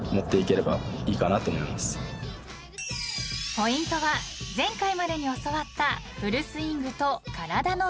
［ポイントは前回までに教わった］